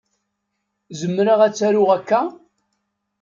Zemreɣ ad t-aruɣ akka?